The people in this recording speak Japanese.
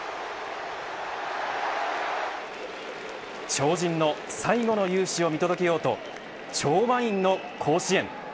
超人の最後の雄姿を見届けようと超満員の甲子園。